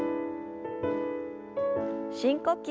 深呼吸。